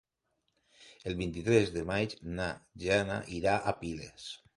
El vint-i-tres de maig na Jana irà a Piles.